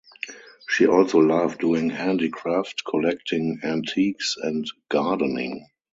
She also loved doing handicraft, collecting antiques and gardening.